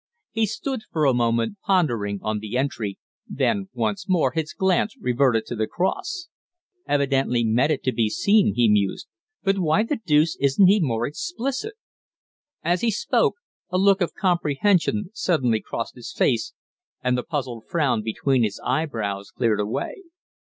He stood for a moment pondering on the entry, then once more his glance reverted to the cross. "Evidently meant it to be seen," he mused; "but why the deuce isn't he more explicit?" As he spoke, a look of comprehension suddenly crossed his face and the puzzled frown between his eyebrows cleared away.